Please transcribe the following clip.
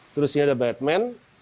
terus ini ada batman